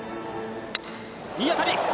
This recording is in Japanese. いい当たり。